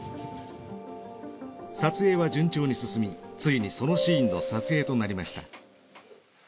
撮影は順調に進みついにそのシーンの撮影となりました。